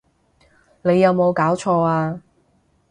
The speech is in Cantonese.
你有無攪錯呀！